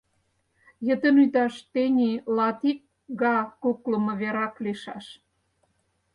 Йытын ӱдаш тений латик га куклымо верак лийшаш.